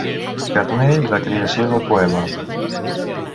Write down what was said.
«Carner i la creació del poema».